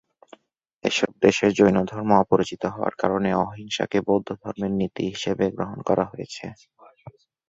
এসব দেশে জৈনধর্ম অপরিচিত হওয়ার কারণে অহিংসাকে বৌদ্ধদর্শনের নীতি হিসেবে গ্রহণ করা হয়।